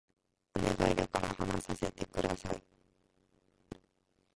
お願いだから話させて下さい